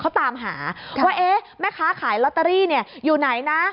เขาตามหาว่าแม่ค้าขายลอตเตอรี่อยู่ไหนนะ